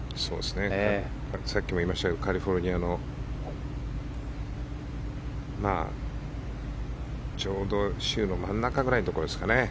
さっきも言いましたがカリフォルニアのちょうど州の真ん中ぐらいのところですかね。